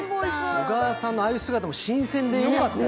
小川さんのああいう姿も新鮮でよかったです。